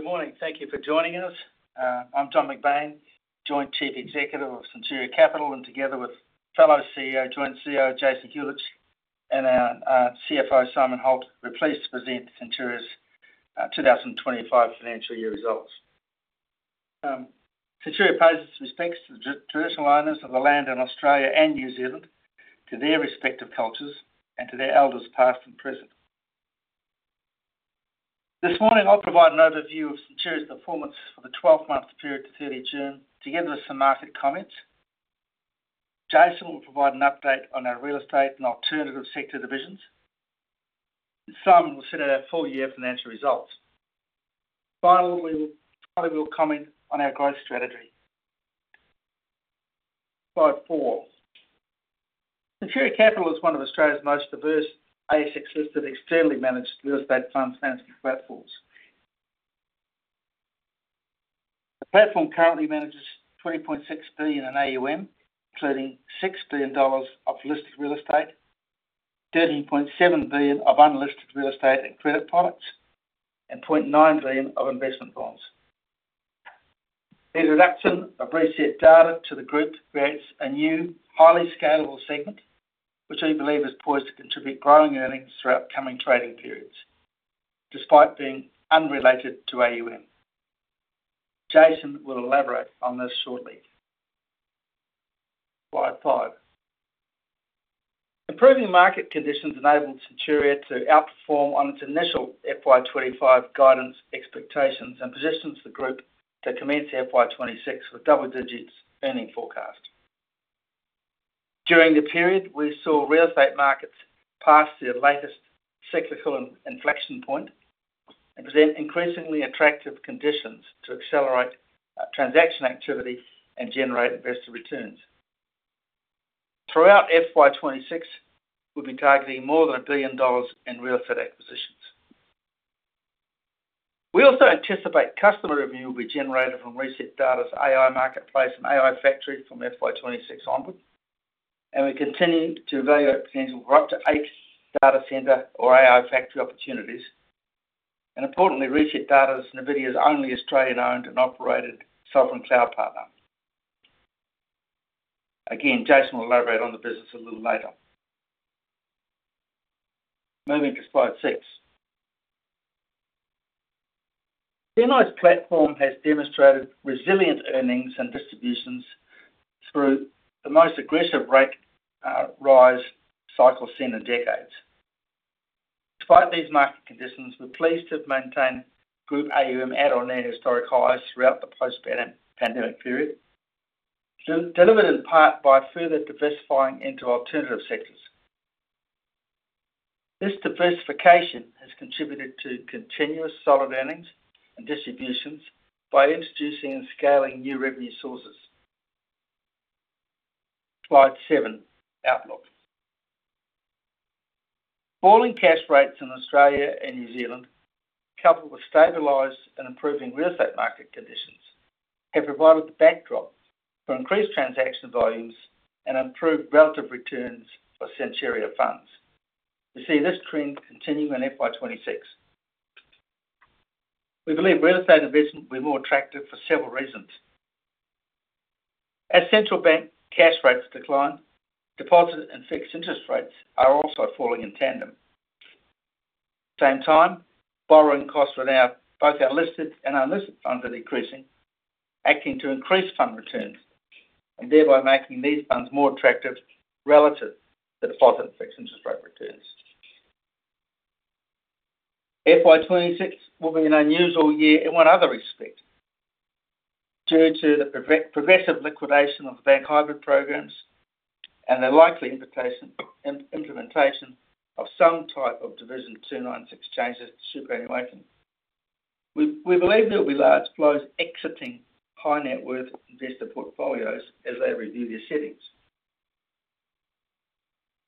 Good morning. Thank you for joining us. I'm John McBain, Joint Chief Executive of Centuria Capital, and together with fellow Joint CEO Jason Huljich and our CFO, Simon Holt, we're pleased to present Centuria's 2025 financial year results. Centuria pays its respects to the traditional owners of the land in Australia and New Zealand, to their respective cultures, and to their elders past and present. This morning, I'll provide an overview of Centuria's performance for the 12-month period to 30 June, together with some market comments. Jason will provide an update on our real estate and alternative sector divisions, and Simon will set out our full year financial results. Finally, we'll comment on our growth strategy. Slide four. Centuria Capital one of Australia's most diverse ASX-listed, externally managed real estate funds management platforms. The platform currently manages $20.6 billion in AUM, including $6 billion of listed real estate, $13.7 billion of unlisted real estate and credit products, and $0.9 billion of investment bonds. The reduction of ResetData to the group creates a new, highly scalable segment, which we believe is poised to contribute growing earnings throughout coming trading periods. Despite being unrelated to AUM, Jason will elaborate on this shortly. Slide five. Improving market conditions enabled Centuria to outperform on its initial FY 2025 guidance expectations and positions the group to commence FY 2026 with double-digit earnings forecast. During the period, we saw real estate markets pass the latest cyclical inflection point and present increasingly attractive conditions to accelerate transactional activity and generate investor returns. Throughout FY 2026, we'll be targeting more than $1 billion in real estate acquisitions. We also anticipate customer revenue will be generated from ResetData's AI marketplace and AI factory from FY 2026 onward. We continue to evaluate potential growth to eight data centre or AI factory opportunities. Importantly, ResetData is Nvidia's only Australian-owned and operated consultant cloud partner. Jason will elaborate on the business a little later. Moving to slide six. Centuria's platform has demonstrated resilient earnings and distributions through the most aggressive rate rise cycle seen in decades. Despite these market conditions, we're pleased to have maintained group AUM at or near historic highs throughout the post-pandemic period, delivered in part by further diversifying into alternative sectors. This diversification has contributed to continuous solid earnings and distributions by introducing and scaling new revenue sources. Slide seven. Outlook. Falling cash rates in Australia and New Zealand, coupled with stabilized and improving real estate market conditions, have provided the backdrop for increased transaction volumes and improved relative returns for Centuria funds. We see this trend continuing on FY 2026. We believe real estate investment will be more attractive for several reasons. As central bank cash rates decline, deposit and fixed interest rates are also falling in tandem. At the same time, borrowing costs for both our listed and unlisted funds are decreasing, acting to increase fund returns and thereby making these funds more attractive relative to deposit and fixed interest rate returns. FY 2026 will be an unusual year in one other respect, due to the progressive liquidation of the bank hybrid programs and the likely implementation of some type of Division 296 changes to superannuation. We believe there will be large flows exiting high net worth investor portfolios as they review their settings.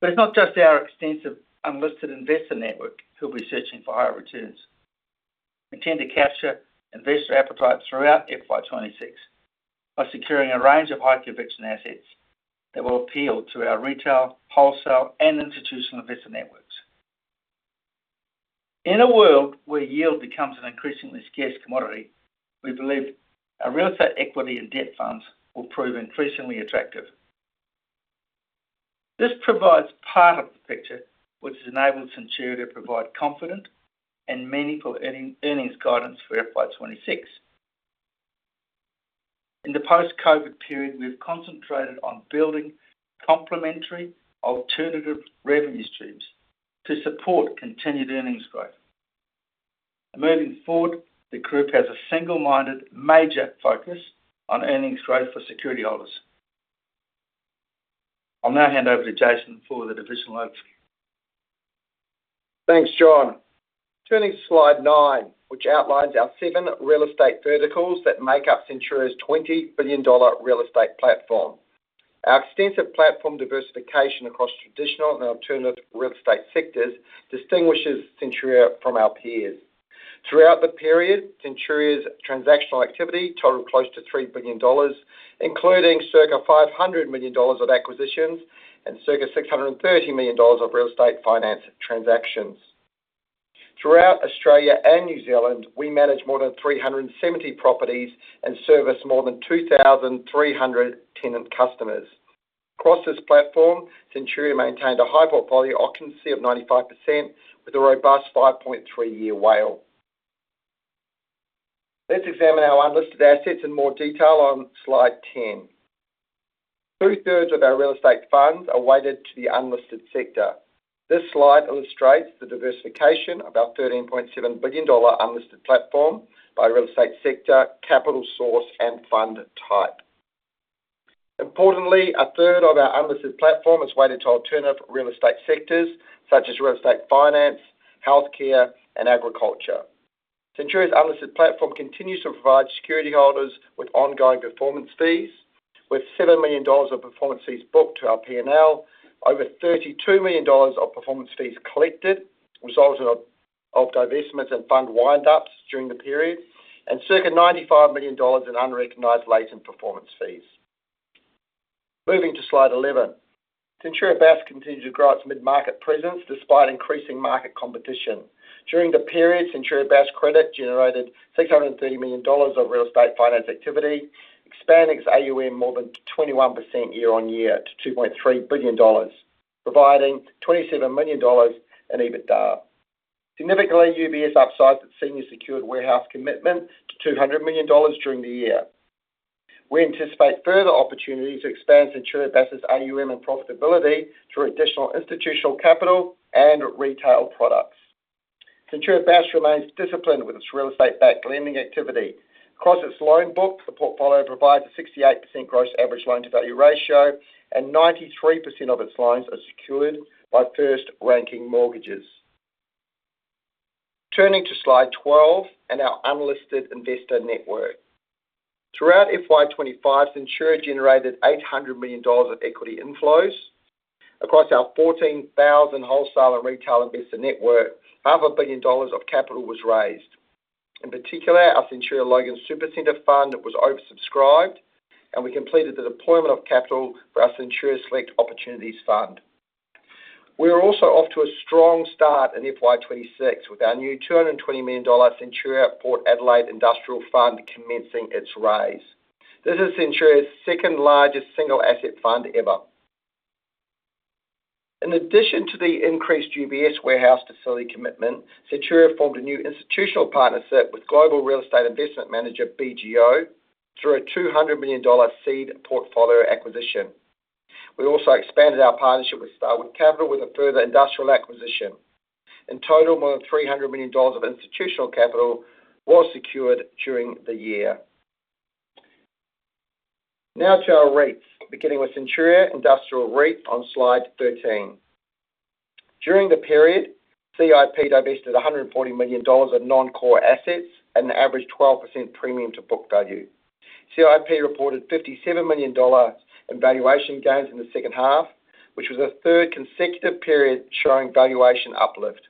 It's not just our extensive unlisted investor network who'll be searching for higher returns. We intend to capture investor appetite throughout FY 2026 by securing a range of high conviction assets that will appeal to our retail, wholesale, and institutional investor networks. In a world where yield becomes an increasingly scarce commodity, we believe our real estate equity and debt funds will prove increasingly attractive. This provides part of the picture, which has enabled Centuria to provide confident and meaningful earnings guidance for FY 2026. In the post-COVID period, we've concentrated on building complementary alternative revenue streams to support continued earnings growth. Moving forward, the group has a single-minded major focus on earnings growth for security holders. I'll now hand over to Jason for the divisional overview. Thanks, John. Turning to slide nine, which outlines our seven real estate verticals that make up Centuria's $20 billion real estate platform. Our extensive platform diversification across traditional and alternative real estate sectors distinguishes Centuria from our peers. Throughout the period, Centuria's transactional activity totaled close to $3 billion, including circa $500 million of acquisitions and circa $630 million of real estate finance transactions. Throughout Australia and New Zealand, we manage more than 370 properties and service more than 2,300 tenant customers. Across this platform, Centuria maintained a high portfolio occupancy of 95% with a robust 5.3-year WALE. Let's examine our unlisted assets in more detail on slide 10. 2/3 of our real estate funds are weighted to the unlisted sector. This slide illustrates the diversification of our $13.7 billion unlisted platform by real estate sector, capital source, and fund type. Importantly, 1/3 of our unlisted platform is weighted to alternative real estate sectors, such as real estate finance, healthcare, and agriculture. Centuria's unlisted platform continues to provide security holders with ongoing performance fees, with $7 million of performance fees booked to our P&L, over $32 million of performance fees collected, resulting in divestments and fund wind-ups during the period, and circa $95 million in unrecognised latent performance fees. Moving to slide 11. Centuria Bass continues to grow its mid-market presence despite increasing market competition. During the period, Centuria Bass credit generated $630 million of real estate finance activity, expanding its AUM more than 21% year-on-year to $2.3 billion, providing $27 million in EBITDA. Significantly, UBS upsized its senior secured warehouse commitment to $200 million during the year. We anticipate further opportunities to expand Centuria Bass's AUM and profitability through additional institutional capital and retail products. Centuria Bass remains disciplined with its real estate-backed lending activity. Across its loan books, the portfolio provides a 68% gross average loan-to-value ratio, and 93% of its loans are secured by first-ranking mortgages. Turning to slide 12 and our unlisted investor network. Throughout FY 2025, Centuria generated $800 million of equity inflows. Across our 14,000 wholesale and retail investor network, half a billion dollars of capital was raised. In particular, our Centuria Logan Super Centre fund was oversubscribed, and we completed the deployment of capital for our Centuria Select Opportunities Fund. We are also off to a strong start in FY 2026 with our new $220 million Centuria Port Adelaide Industrial Fund commencing its raise. This is Centuria's second largest single-asset fund ever. In addition to the increased UBS warehouse facility commitment, Centuria formed a new institutional partnership with global real estate investment manager, BGO, through a $200 million seed portfolio acquisition. We also expanded our partnership with Starwood Capital with a further industrial acquisition. In total, more than $300 million of institutional capital was secured during the year. Now to our REITs, beginning with Centuria Industrial REIT on slide 13. During the period, CIP divested $140 million of non-core assets and averaged 12% premium to book value. CIP reported $57 million in valuation gains in the second half, which was a third consecutive period showing valuation uplift.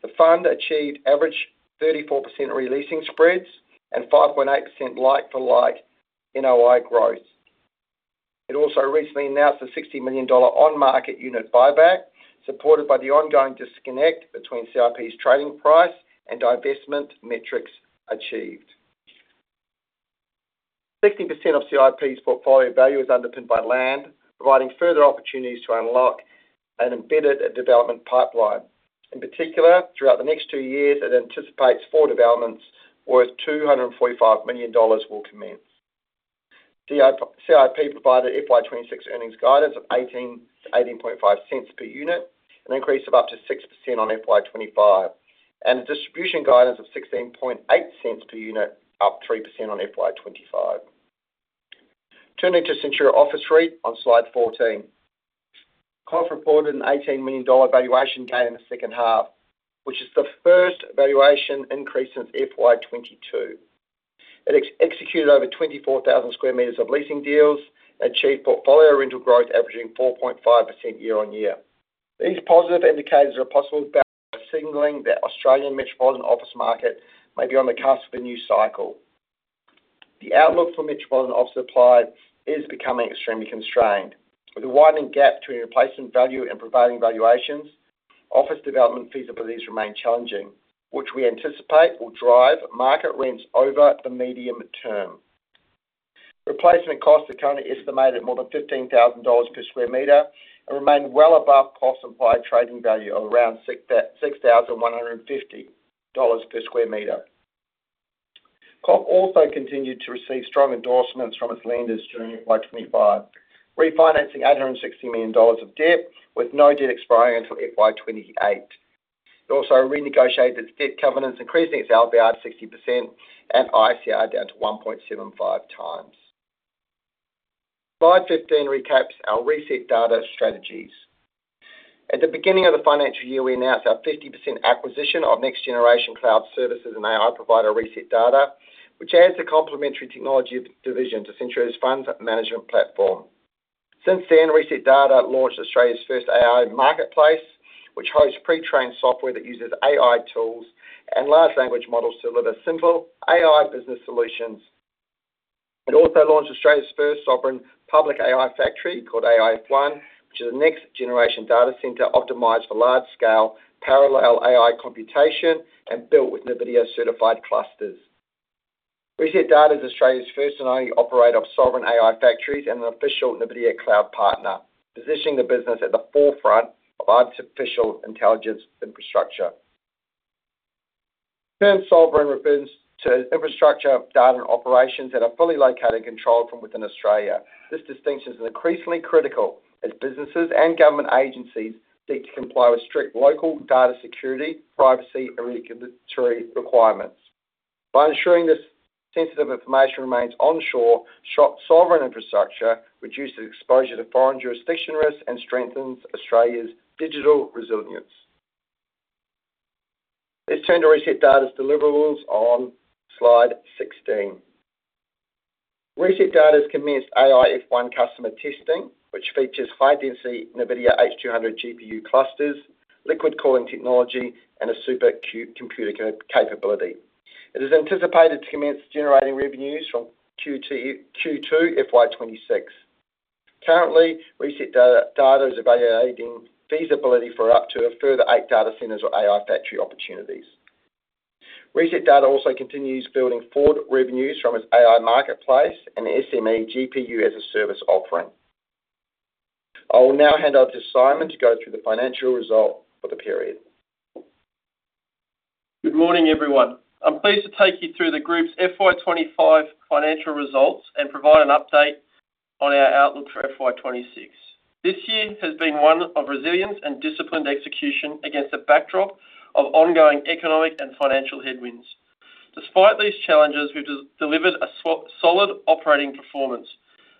The fund achieved average 34% releasing spreads and 5.8% like-for-like NOI growth. It also recently announced a $60 million on-market unit buyback, supported by the ongoing disconnect between CIP's trading price and divestment metrics achieved. 60% of CIP's portfolio value is underpinned by land, providing further opportunities to unlock an embedded development pipeline. In particular, throughout the next two years, it anticipates four developments worth $245 million will commence. CIP provided FY 2026 earnings guidance of $0.18-$0.185 per unit, an increase of up to 6% on FY 2025, and a distribution guidance of $0.168 per unit, up 3% on FY 2025. Turning to Centuria Office REIT on slide 14. COF reported an $18 million valuation gain in the second half, which is the first valuation increase since FY 2022. It executed over 24,000 sq m of leasing deals and achieved portfolio rental growth averaging 4.5% year-on-year. These positive indicators are possible about signaling that Australian metropolitan office market may be on the cusp of a new cycle. The outlook for metropolitan office supply is becoming extremely constrained. With a widening gap between replacement value and prevailing valuations, office development feasibilities remain challenging, which we anticipate will drive market rents over the medium term. Replacement costs are currently estimated at more than $15,000 per sq m and remain well above costs implied trading value of around $6,150 per sq m. CIP also continued to receive strong endorsements from its lenders during FY 2025, refinancing $860 million of debt with no debt expiry until FY 2028. It also renegotiated its debt covenants, increasing its LVR to 60% and ICR down to 1.75x. Slide 15 recaps our ResetData strategies. At the beginning of the financial year, we announced our 50% acquisition of next generation cloud services and AI provider ResetData, which adds the complementary technology division to Centuria's funds management platform. Since then, ResetData launched Australia's first AI marketplace, which hosts pre-trained software that uses AI tools and large language models to deliver simple AI business solutions. It also launched Australia's first sovereign public AI factory called AIF1, which is a next-generation data center optimized for large-scale parallel AI computation and built with Nvidia certified clusters. ResetData is Australia's first and only operator of sovereign AI factories and an official Nvidia cloud partner, positioning the business at the forefront of artificial intelligence infrastructure. Term sovereign refers to infrastructure, data, and operations that are fully located and controlled from within Australia. This distinction is increasingly critical as businesses and government agencies seek to comply with strict local data security, privacy, and regulatory requirements. By ensuring this sensitive information remains onshore, sovereign infrastructure reduces exposure to foreign jurisdiction risks and strengthens Australia's digital resilience. Let's turn to ResetData's deliverables on slide 16. ResetData has commenced AIF1 customer testing, which features high-density Nvidia H200 GPU clusters, liquid cooling technology, and a supercomputer capability. It is anticipated to commence generating revenues from Q2 FY 2026. Currently, ResetData is evaluating feasibility for up to a further eight data centers or AI factory opportunities. ResetData also continues building forward revenues from its AI marketplace and SME GPU as a service offering. I will now hand over to Simon to go through the financial result for the period. Good morning, everyone. I'm pleased to take you through the group's FY 2025 financial results and provide an update on our outlook for FY 2026. This year has been one of resilience and disciplined execution against a backdrop of ongoing economic and financial headwinds. Despite these challenges, we've delivered a solid operating performance,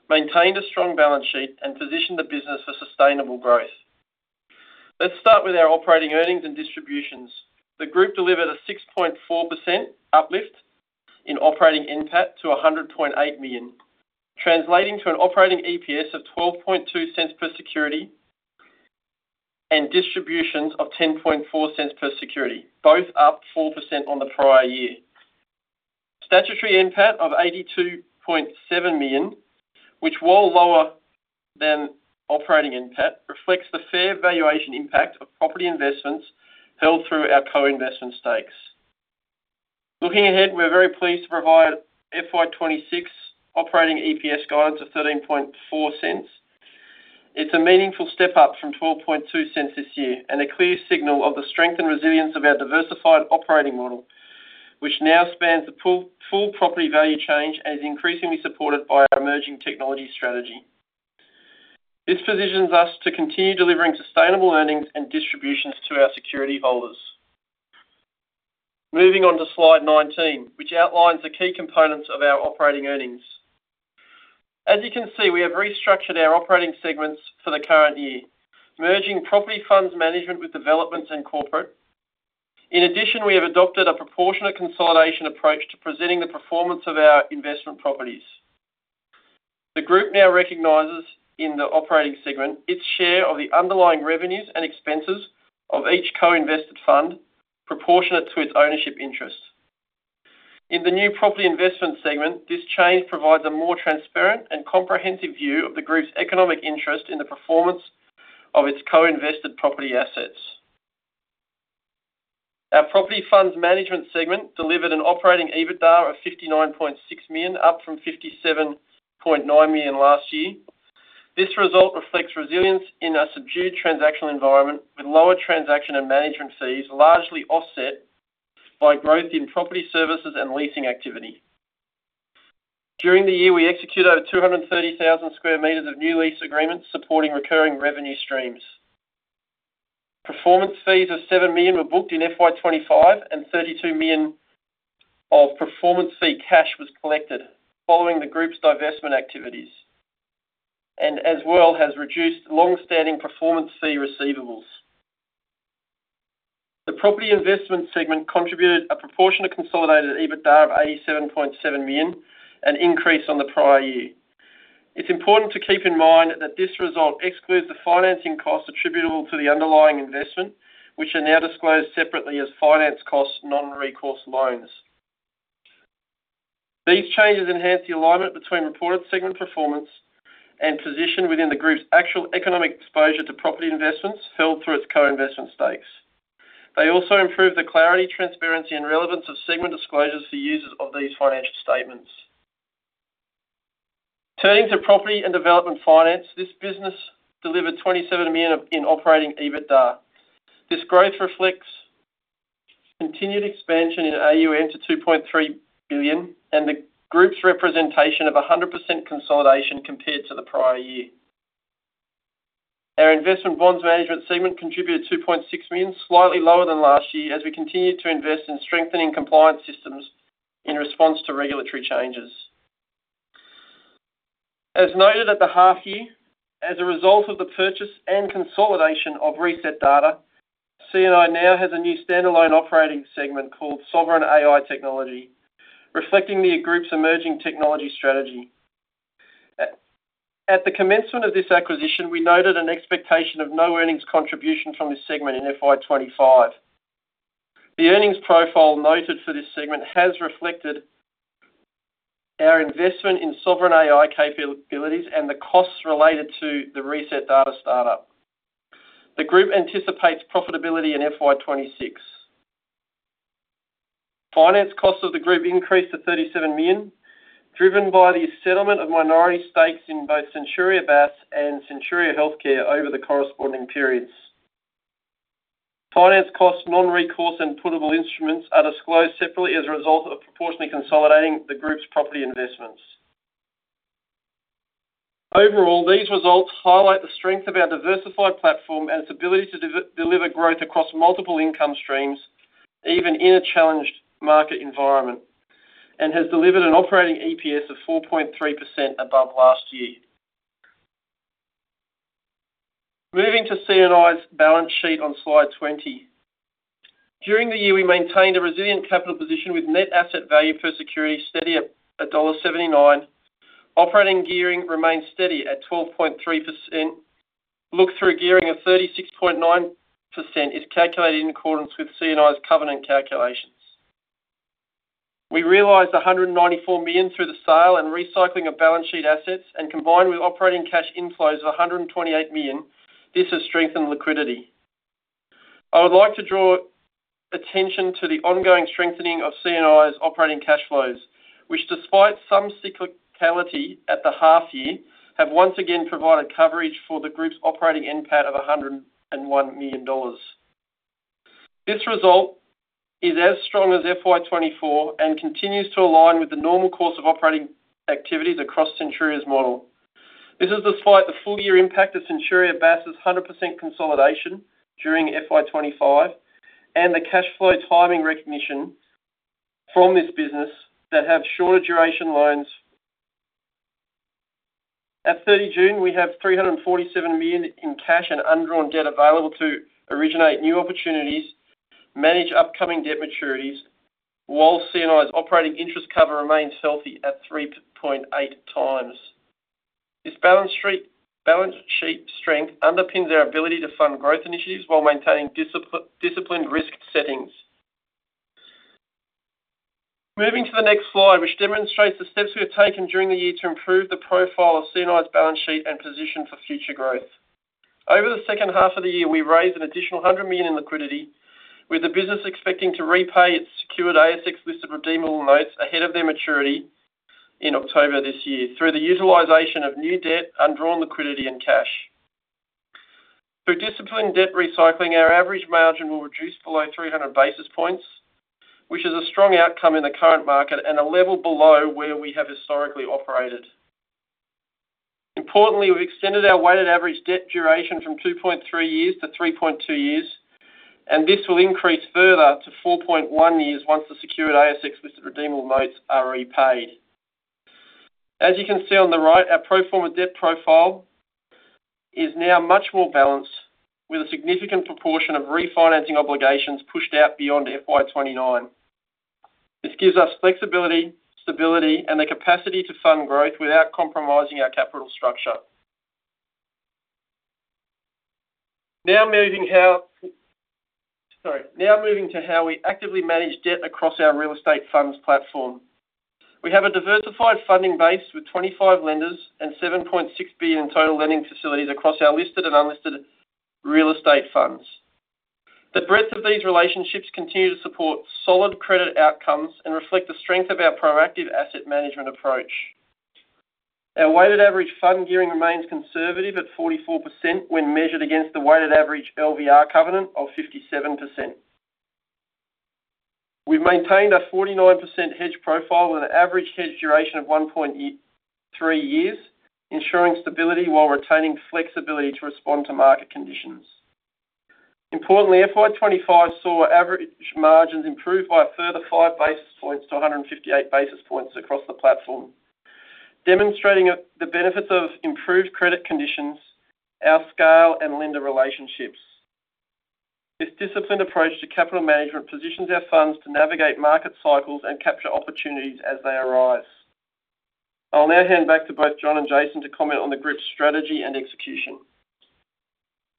maintained a strong balance sheet, and positioned the business for sustainable growth. Let's start with our operating earnings and distributions. The group delivered a 6.4% uplift in operating NPAT to $100.8 million, translating to an operating EPS of $0.122 per security and distributions of $0.104 per security, both up 4% on the prior year. Statutory NPAT of $82.7 million, which was lower than operating NPAT, reflects the fair valuation impact of property investments held through our co-investment stakes. Looking ahead, we're very pleased to provide FY 2026 operating EPS guidance of $0.134. It's a meaningful step up from $0.122 this year and a clear signal of the strength and resilience of our diversified operating model, which now spans the full property value chain and is increasingly supported by our emerging technology strategy. This positions us to continue delivering sustainable earnings and distributions to our security holders. Moving on to slide 19, which outlines the key components of our operating earnings. As you can see, we have restructured our operating segments for the current year, merging property funds management with developments and corporate. In addition, we have adopted a proportionate consolidation approach to presenting the performance of our investment properties. The group now recognizes in the operating segment its share of the underlying revenues and expenses of each co-invested fund, proportionate to its ownership interest. In the new property investment segment, this change provides a more transparent and comprehensive view of the group's economic interest in the performance of its co-invested property assets. Our property funds management segment delivered an operating EBITDA of $59.6 million, up from $57.9 million last year. This result reflects resilience in a subdued transactional environment, with lower transaction and management fees largely offset by growth in property services and leasing activity. During the year, we executed over 230,000 sq m of new lease agreements, supporting recurring revenue streams. Performance fees of $7 million were booked in FY 2025, and $32 million of performance fee cash was collected following the group's divestment activities, as well as reduced longstanding performance fee receivables. The property investment segment contributed a proportion of consolidated EBITDA of $87.7 million, an increase on the prior year. It's important to keep in mind that this result excludes the financing costs attributable to the underlying investment, which are now disclosed separately as finance costs non-recourse loans. These changes enhance the alignment between reported segment performance and position within the group's actual economic exposure to property investments held through its co-investment stakes. They also improve the clarity, transparency, and relevance of segment disclosures for users of these financial statements. Turning to property and development finance, this business delivered $27 million in operating EBITDA. This growth reflects continued expansion in AUM to $2.3 billion and the group's representation of 100% consolidation compared to the prior year. Our investment bonds management segment contributed $2.6 million, slightly lower than last year, as we continued to invest in strengthening compliance systems in response to regulatory changes. As noted at the half-year, as a result of the purchase and consolidation of ResetData, C&I now has a new standalone operating segment called sovereign AI technology, reflecting the group's emerging technology strategy. At the commencement of this acquisition, we noted an expectation of no earnings contribution from this segment in FY 2025. The earnings profile noted for this segment has reflected our investment in sovereign AI capabilities and the costs related to the ResetData startup. The group anticipates profitability in FY 2026. Finance costs of the group increased to $37 million, driven by the settlement of minority stakes in both Centuria Bass and Centuria Healthcare over the corresponding periods. Finance costs, non-recourse and portable instruments are disclosed separately as a result of proportionately consolidating the group's property investments. Overall, these results highlight the strength of our diversified platform and its ability to deliver growth across multiple income streams, even in a challenged market environment, and has delivered an operating EPS of 4.3% above last year. Moving to C&I's balance sheet on slide 20. During the year, we maintained a resilient capital position with net asset value per security steady at $1.79. Operating gearing remains steady at 12.3%. Look-through gearing of 36.9% is calculated in accordance with Centuria Industrial REIT's covenant calculations. We realized $194 million through the sale and recycling of balance sheet assets, and combined with operating cash inflows of $128 million, this has strengthened liquidity. I would like to draw attention to the ongoing strengthening of C&I's operating cash flows, which, despite some cyclicality at the half-year, have once again provided coverage for the group's operating NPAT of $101 million. This result is as strong as FY 2024 and continues to align with the normal course of operating activities across Centuria's model. This is despite the full-year impact of Centuria Bass's 100% consolidation during FY 2025 and the cash flow timing recognition from this business that have shorter duration loans. At 30 June, we have $347 million in cash and undrawn debt available to originate new opportunities, manage upcoming debt maturities, while C&I operating interest cover remains healthy at 3.8x. This balance sheet strength underpins our ability to fund growth initiatives while maintaining disciplined risk settings. Moving to the next slide, which demonstrates the steps we have taken during the year to improve the profile of C&I's balance sheet and position for future growth. Over the second half of the year, we raised an additional $100 million in liquidity, with the business expecting to repay its secured ASX-listed redeemable notes ahead of their maturity in October this year through the utilization of new debt, undrawn liquidity, and cash. Through disciplined debt recycling, our average margin will reduce below 300 basis points, which is a strong outcome in the current market and a level below where we have historically operated. Importantly, we've extended our weighted average debt duration from 2.3 years-3.2 years, and this will increase further to 4.1 years once the secured ASX-listed redeemable notes are repaid. As you can see on the right, our pro forma debt profile is now much more balanced, with a significant proportion of refinancing obligations pushed out beyond FY 2029. This gives us flexibility, stability, and the capacity to fund growth without compromising our capital structure. Now moving to how we actively manage debt across our real estate funds platform. We have a diversified funding base with 25 lenders and $7.6 billion in total lending facilities across our listed and unlisted real estate funds. The breadth of these relationships continues to support solid credit outcomes and reflects the strength of our proactive asset management approach. Our weighted average fund gearing remains conservative at 44% when measured against the weighted average LVR covenant of 57%. We've maintained a 49% hedge profile with an average hedge duration of 1.3 years, ensuring stability while retaining flexibility to respond to market conditions. Importantly, FY 2025 saw average margins improve by a further 5 basis points to 158 basis points across the platform, demonstrating the benefits of improved credit conditions, our scale, and lender relationships. This disciplined approach to capital management positions our funds to navigate market cycles and capture opportunities as they arise. I'll now hand back to both John and Jason to comment on the group's strategy and execution.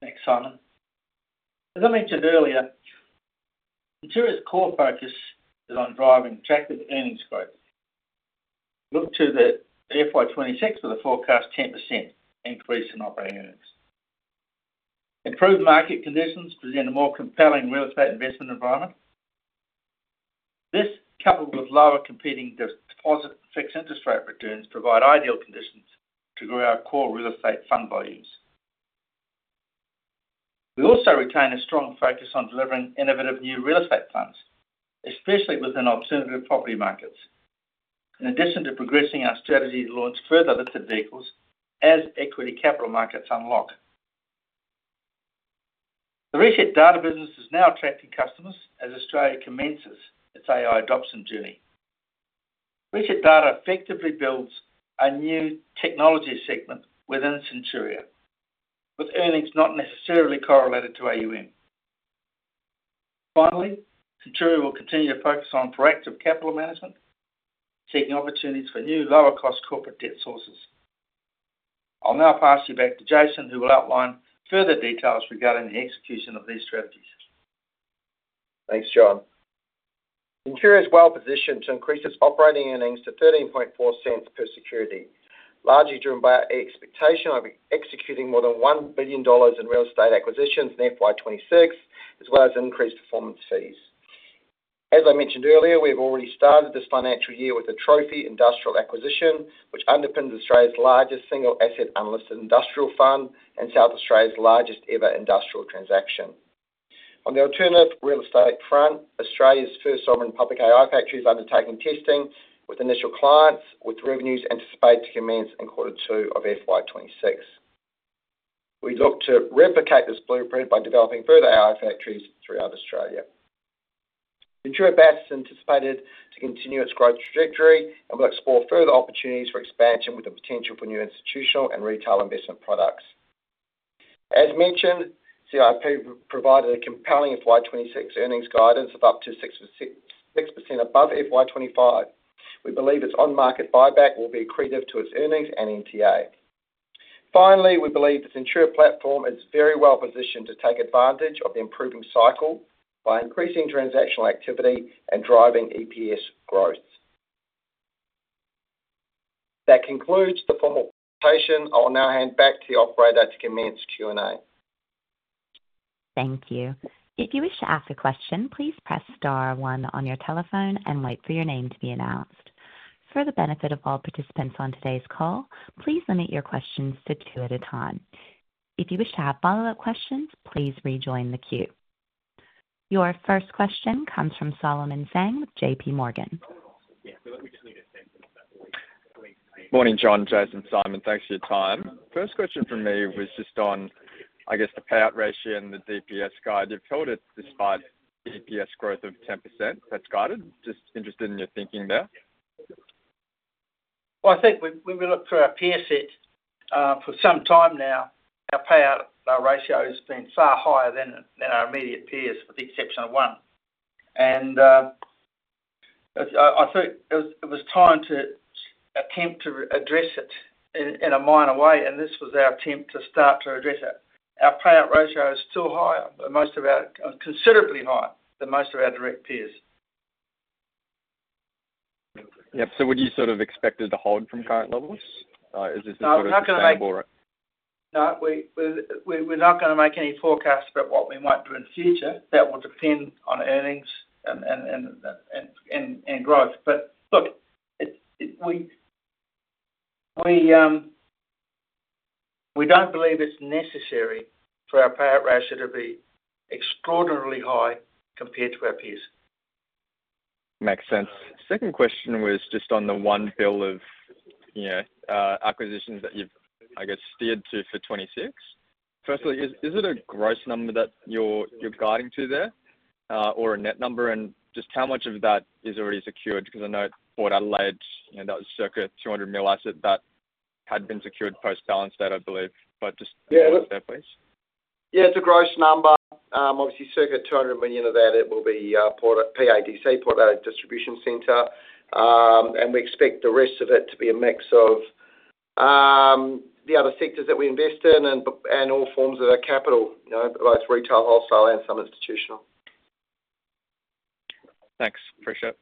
Thanks, Simon. As I mentioned earlier, Centuria's core focus is on driving attractive earnings growth. Look to the FY 2026 with a forecast 10% increase in operating earnings. Improved market conditions present a more compelling real estate investment environment. This, coupled with lower competing deposit and fixed interest rate returns, provides ideal conditions to grow our core real estate fund volumes. We also retain a strong focus on delivering innovative new real estate funds, especially within alternative property markets. In addition to progressing our strategy to launch further listed vehicles as equity capital markets unlock. The ResetData business is now attracting customers as Australia commences its AI adoption journey. ResetData effectively builds a new technology segment within Centuria, with earnings not necessarily correlated to AUM. Finally, Centuria will continue to focus on proactive capital management, seeking opportunities for new lower-cost corporate debt sources. I'll now pass you back to Jason, who will outline further details regarding the execution of these strategies. Thanks, John. Centuria is well positioned to increase its operating earnings to $0.134 per security, largely driven by our expectation of executing more than $1 billion in real estate acquisitions in FY 2026, as well as increased performance fees. As I mentioned earlier, we've already started this financial year with the Trophy Industrial acquisition, which underpins Australia's largest single asset unlisted industrial fund and South Australia's largest ever industrial transaction. On the alternative real estate front, Australia's first sovereign public AI factory is undertaking testing with initial clients, with revenues anticipated to commence in quarter two of FY 2026. We look to replicate this blueprint by developing further AI factories throughout Australia. Centuria Bass is anticipated to continue its growth trajectory and will explore further opportunities for expansion with the potential for new institutional and retail investment products. As mentioned, CIP provided a compelling FY 2026 earnings guidance of up to 6% above FY 2025. We believe its on-market buyback will be accretive to its earnings and NTA. Finally, we believe the Centuria platform is very well positioned to take advantage of the improving cycle by increasing transactional activity and driving EPS growth. That concludes the formal presentation. I'll now hand back to the operator to commence Q&A. Thank you. If you wish to ask a question, please press Star, one on your telephone and wait for your name to be announced. For the benefit of all participants on today's call, please limit your questions to two at a time. If you wish to have follow-up questions, please rejoin the queue. Your first question comes from Solomon Zhang with JP Morgan. Morning, John, Jason, Simon, thanks for your time. First question for me was just on, I guess, the payout ratio and the DPS guide. You've told it despite EPS growth of 10%. That's guided. Just interested in your thinking there. I think when we look through our peer set for some time now, our payout ratio has been far higher than our immediate peers, with the exception of one. I thought it was time to attempt to address it in a minor way, and this was our attempt to start to address it. Our payout ratio is still higher, but considerably higher than most of our direct peers. Yep. What do you sort of expect it to hold from current levels? Is this sort of a stable? No, we're not going to make any forecasts about what we might do in the future. That will depend on earnings and growth. We don't believe it's necessary for our payout ratio to be extraordinarily high compared to our peers. Makes sense. Second question was just on the one bill of, you know, acquisitions that you've, I guess, steered to for 2026. Firstly, is it a gross number that you're guiding to there, or a net number? Just how much of that is already secured? I know Porter led, you know, that was circa $200 million assets that had been secured post-balance date, I believe. Just be honest there, please. Yeah, it's a gross number. Obviously, circa $200 million of that will be PADC, Port Adelaide Distribution Centre. We expect the rest of it to be a mix of the other sectors that we invest in and all forms of our capital, you know, both retail, wholesale, and some institutional. Thanks. Appreciate it.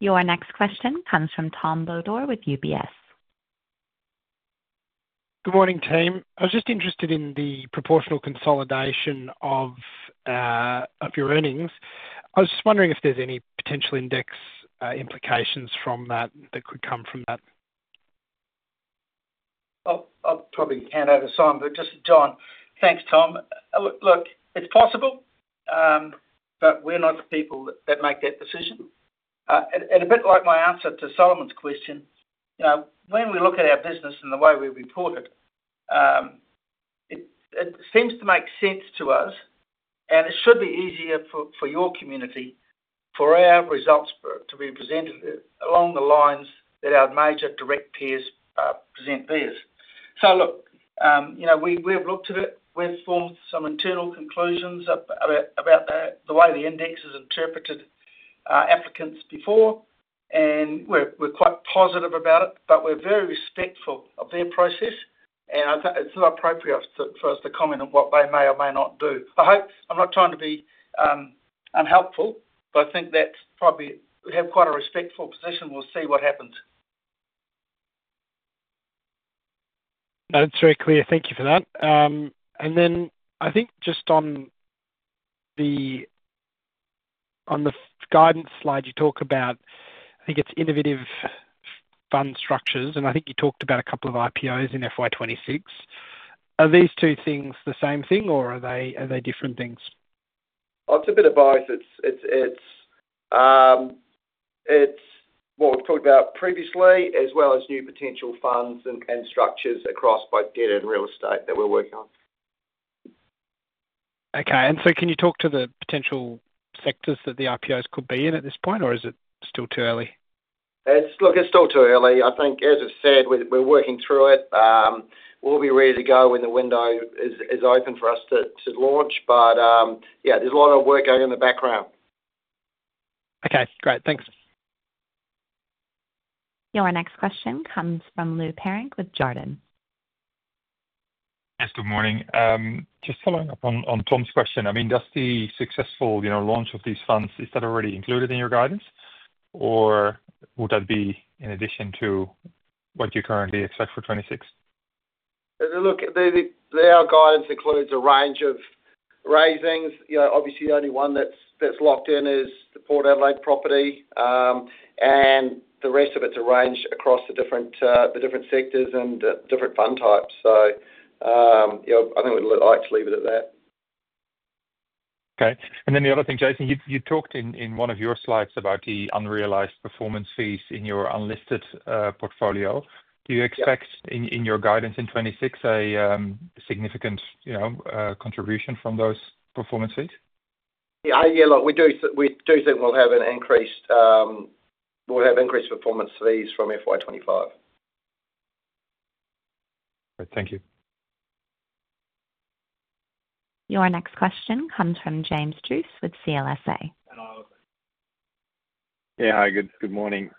Your next question comes from Tom Bodor with UBS. Good morning, team. I was just interested in the proportional consolidation of your earnings. I was just wondering if there's any potential index implications from that that could come from that. I'll probably hand over to Simon, but this is John, thanks, Tom. Look, it's possible, but we're not the people that make that decision. A bit like my answer to Solomon's question, you know, when we look at our business and the way we report it, it seems to make sense to us, and it should be easier for your community for our results to be presented along the lines that our major direct peers present theirs. We've looked at it. We've formed some internal conclusions about the way the index is interpreted by applicants before, and we're quite positive about it, but we're very respectful of their process, and I think it's not appropriate for us to comment on what they may or may not do. I hope I'm not trying to be unhelpful, but I think that's probably we have quite a respectful position. We'll see what happens. No, it's very clear. Thank you for that. I think just on the guidance slide, you talk about, I think it's innovative fund structures, and I think you talked about a couple of IPOs in FY 2026. Are these two things the same thing, or are they different things? It’s a bit of both. It’s what we’ve talked about previously, as well as new potential funds and structures across both debt and real estate that we’re working on. Okay. Can you talk to the potential sectors that the IPOs could be in at this point, or is it still too early? It's still too early. I think, as I've said, we're working through it. We'll be ready to go when the window is open for us to launch. There's a lot of work going on in the background. Okay, great. Thanks. Your next question comes from Lou Parink with Jarden. Yes, good morning. Just following up on Tom's question, does the successful launch of these funds, is that already included in your guidance, or would that be in addition to what you currently expect for 2026? Look, our guidance includes a range of raisings. Obviously, the only one that's locked in is the Port Adelaide property, and the rest of it's arranged across the different sectors and the different fund types. I think we'd like to leave it at that. Okay. Jason, you talked in one of your slides about the unrealized performance fees in your unlisted portfolio. Do you expect in your guidance in 2026 a significant, you know, contribution from those performance fees? Yeah, look, we do think we'll have increased performance fees from FY 2025. Great. Thank you. Your next question comes from James Druce with CLSA. Yeah, hi, good morning.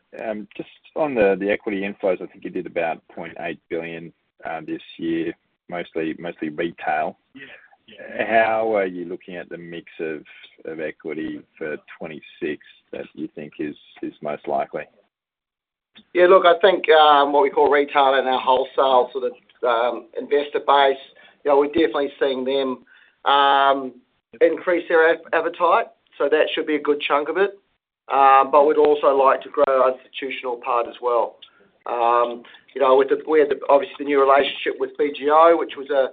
Just on the equity info, I think you did about $0.8 billion this year, mostly retail. How are you looking at the mix of equity for 2026 that you think is most likely? Yeah, look, I think what we call retail and our wholesale sort of investor base, we're definitely seeing them increase their appetite, so that should be a good chunk of it. We'd also like to grow our institutional part as well. We had obviously the new relationship with BGO, which was a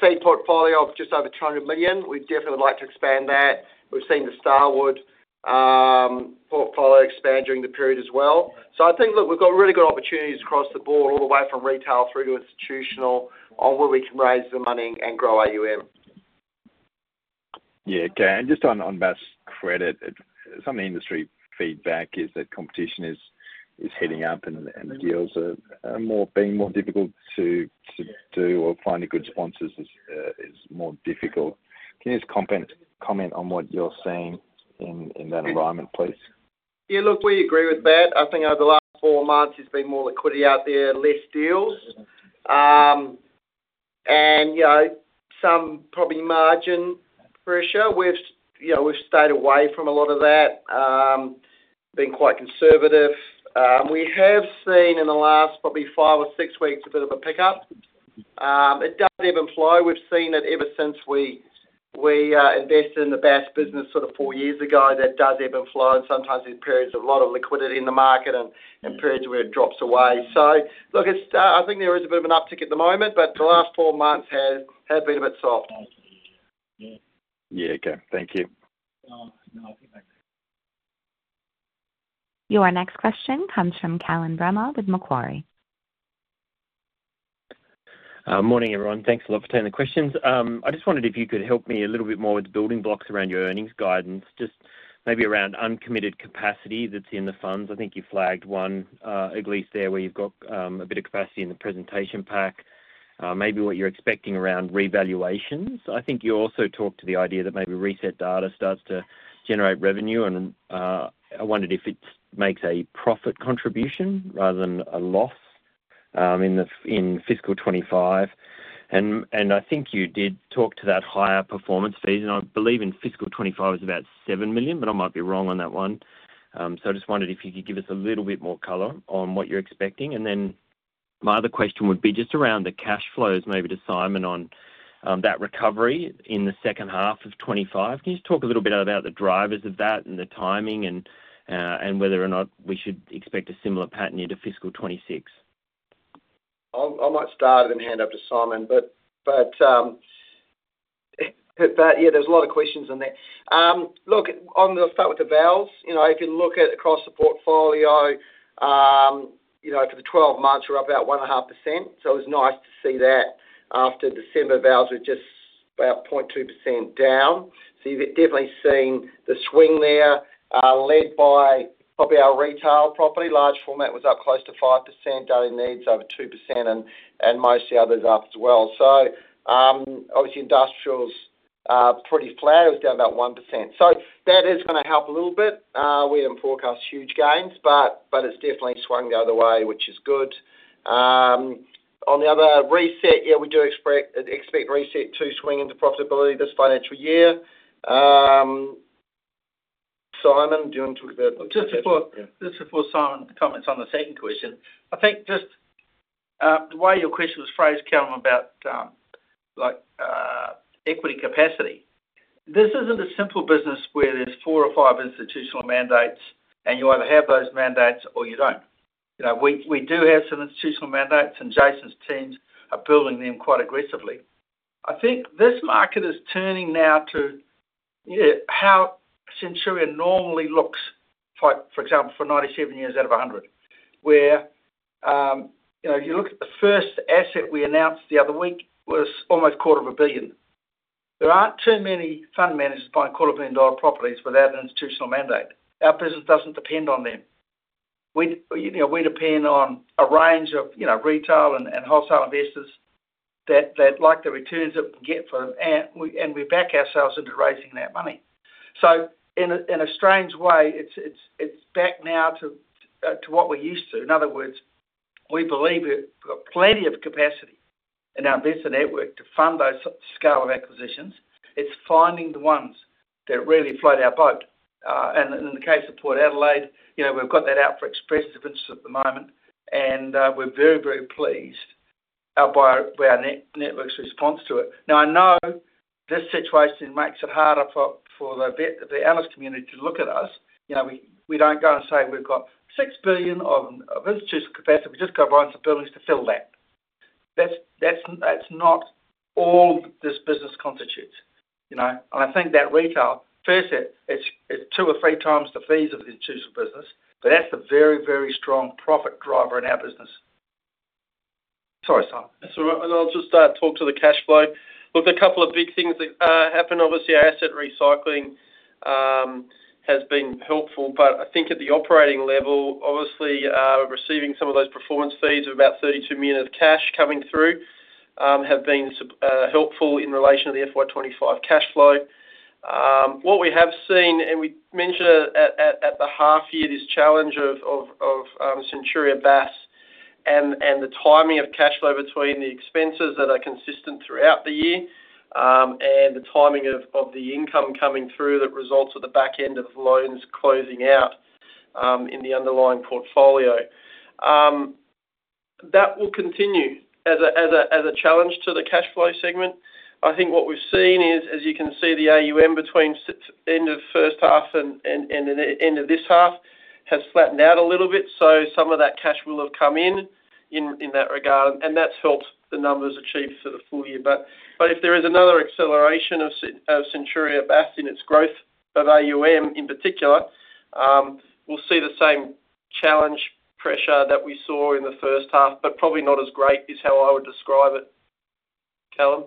seed portfolio of just over $200 million. We'd definitely like to expand that. We've seen the Starwood portfolio expand during the period as well. I think we've got really good opportunities across the board, all the way from retail through to institutional, on where we can raise the money and grow AUM. Okay. On Bass's credit, some of the industry feedback is that competition is fading up and deals are being more difficult to do or finding good sponsors is more difficult. Can you just comment on what you're seeing in that environment, please? Yeah, look, we agree with that. I think over the last four months, there's been more liquidity out there, fewer deals, and, you know, some probably margin pressure. We've stayed away from a lot of that. We've been quite conservative. We have seen in the last probably five or six weeks a bit of a pickup. It does ebb and flow. We've seen that ever since we invested in the Bass business sort of four years ago, that does ebb and flow. Sometimes there's periods of a lot of liquidity in the market and periods where it drops away. I think there is a bit of an uptick at the moment, but the last four months have been a bit soft. Yeah, okay. Thank you. Your next question comes from Callum Brammer with Macquarie. Morning everyone. Thanks a lot for turning to the questions. I just wondered if you could help me a little bit more with the building blocks around your earnings guidance, just maybe around uncommitted capacity that's in the funds. I think you flagged one at least there where you've got a bit of capacity in the presentation pack, maybe what you're expecting around revaluations. I think you also talked to the idea that maybe ResetData starts to generate revenue, and I wondered if it makes a profit contribution rather than a loss in fiscal 2025. I think you did talk to that higher performance fees, and I believe in fiscal 2025 is about $7 million, but I might be wrong on that one. I just wondered if you could give us a little bit more color on what you're expecting. My other question would be just around the cash flows, maybe to Simon on that recovery in the second half of 2025. Can you just talk a little bit about the drivers of that and the timing and whether or not we should expect a similar pattern into fiscal 2026? I might start it and hand over to Simon, but yeah, there's a lot of questions in there. Look, I'll start with the value. You know, if you look at across the portfolio, for the 12 months, we're up about 1.5%. It was nice to see that after December values were just about 0.2% down. You've definitely seen the swing there led by probably our retail property. Large format was up close to 5%, daily needs over 2%, and most of the others up as well. Obviously industrials are pretty flat. It was down about 1%. That is going to help a little bit. We didn't forecast huge gains, but it's definitely swung the other way, which is good. On the other Reset, yeah, we do expect Reset to swing into profitability this financial year. Simon, do you want to talk about? Just before Simon comments on the second question, I think just the way your question was phrased, Callum, about equity capacity, this isn't a simple business where there's four or five institutional mandates, and you either have those mandates or you don't. We do have some institutional mandates, and Jason's teams are building them quite aggressively. I think this market is turning now to how Centuria normally looks, for example, for 97 years out of 100, where if you look at the first asset we announced the other week, it was almost a quarter of a billion. There aren't too many fund managers buying quarter-billion dollar properties without an institutional mandate. Our business doesn't depend on them. We depend on a range of retail and wholesale investors that like the returns that we get for them, and we back ourselves into raising that money. In a strange way, it's back now to what we're used to. In other words, we believe we've got plenty of capacity in our investor network to fund those scale of acquisitions. It's finding the ones that really float our boat. In the case of Port Adelaide, we've got that out for express dividends at the moment, and we're very, very pleased by our network's response to it. I know this situation makes it harder for the analyst community to look at us. We don't go and say we've got $6 billion of institutional capacity. We just go run some buildings to fill that. That's not all this business constitutes. I think that retail, firstly, it's 2x or 3x the fees of the institutional business, but that's a very, very strong profit driver in our business. I'll just talk to the cash flow. Look, a couple of big things happened. Obviously, our asset recycling has been helpful, but I think at the operating level, obviously, receiving some of those performance fees of about $32 million of cash coming through have been helpful in relation to the FY 2025 cash flow. What we have seen, and we mentioned at the half-year, is this challenge of Centuria Bass and the timing of cash flow between the expenses that are consistent throughout the year and the timing of the income coming through that results with the back end of loans closing out in the underlying portfolio. That will continue as a challenge to the cash flow segment. I think what we've seen is, as you can see, the AUM between the end of first half and the end of this half has flattened out a little bit. Some of that cash will have come in in that regard, and that's helped the numbers achieve for the full year. If there is another acceleration of Centuria Bass in its growth of AUM in particular, we'll see the same challenge pressure that we saw in the first half, but probably not as great is how I would describe it. Callum?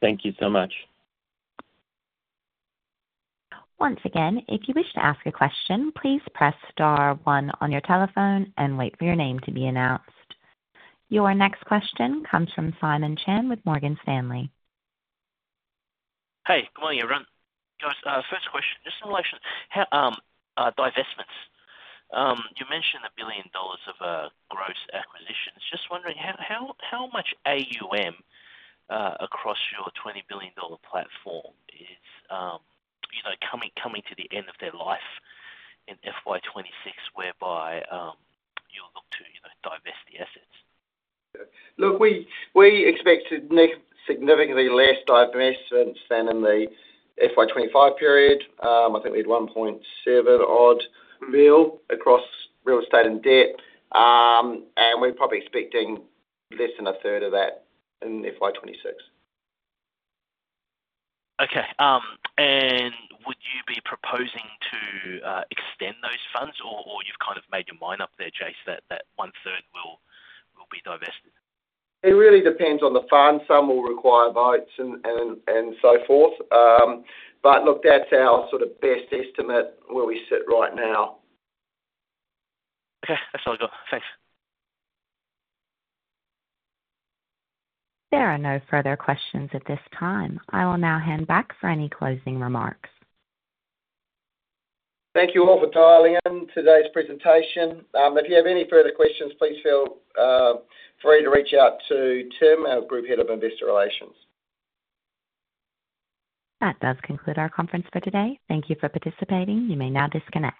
Thank you so much. Once again, if you wish to ask a question, please press Star, one on your telephone and wait for your name to be announced. Your next question comes from Simon Chen with Morgan Stanley. Hey, good morning everyone. First question, just in relation to how divestments, you mentioned $1 billion of gross acquisitions. Just wondering how much AUM across your $20 billion platform is, you know, coming to the end of their life in FY 2026, whereby you'll look to, you know, divest the assets? Look, we expect significantly less divestments than in the FY 2025 period. I think we had $1.7 billion across real estate and debt, and we're probably expecting less than a third of that in FY 2026. Would you be proposing to extend those funds, or you've kind of made your mind up there, Jason, that that one third will be divested? It really depends on the fund. Some will require votes and so forth. That's our sort of best estimate where we sit right now. Okay, that's all I've got. Thanks. There are no further questions at this time. I will now hand back for any closing remarks. Thank you all for dialing in today's presentation. If you have any further questions, please feel free to reach out to Tim, our Group Head of Investor Relations. That does conclude our conference for today. Thank you for participating. You may now disconnect.